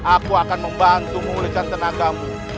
aku akan membantu memulihkan tenagamu